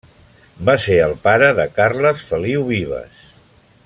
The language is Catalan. Va ser el pare de Carles Feliu Vives.